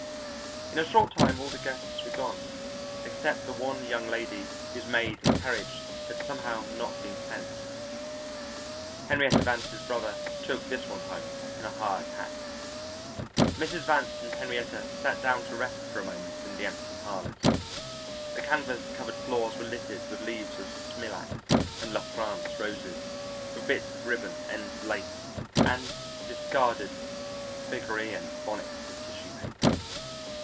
In a short time all the guests were gone except the one young lady whose maid and carriage had somehow not been sent. Henrietta Vance's brother took this one home in a hired hack. Mrs. Vance and Henrietta sat down to rest for a moment in the empty parlours. The canvas covered floors were littered with leaves of smilax and La France roses, with bits of ribbon, ends of lace, and discarded Phrygian bonnets of tissue paper.